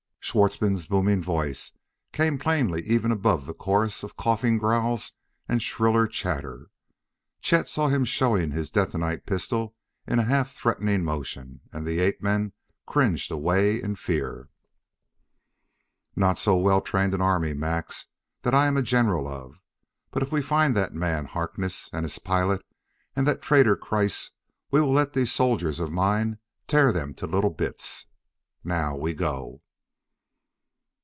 Schwartzmann's booming voice came plainly even above the chorus of coughing growls and shriller chatter. Chet saw him showing his detonite pistol in a half threatening motion, and the ape men cringed away in fear. "Not so well trained an army, Max, that I am general of, but if we find that man, Harkness, and his pilot and that traitor Kreiss, we will let these soldiers of mine tear them to little bits. Now, we go!"